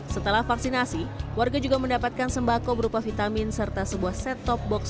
setelah vaksinasi warga juga mendapatkan sembako berupa vitamin serta sebuah set top box